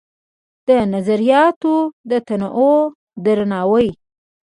د نظریاتو د تنوع درناوی